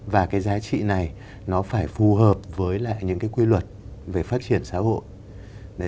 và cái giá trị này nó phải phù hợp với lại những cái quy luật về phát triển xã hội